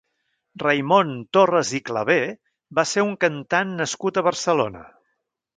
Raimon Torres i Clavé va ser un cantant nascut a Barcelona.